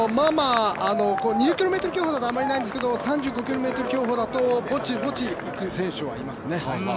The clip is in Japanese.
２０ｋｍ競歩だとあまりないんですけども３５ｋｍ競歩だとぼちぼちいく選手はいますね。